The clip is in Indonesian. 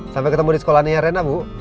sampai ketemu di sekolahnya ya reina bu